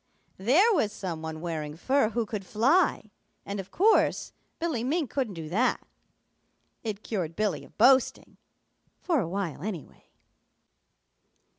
There was some one wearing fur who could fly, and of course Billy Mink couldn't do that. It cured Billy of boasting, for a while, anyway.